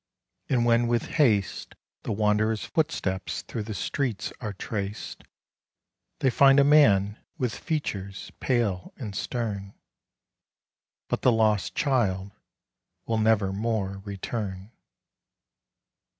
And when with haste The wanderer's footsteps through the streets are traced, They find a man with features pale and stern, But the lost child will nevermore return.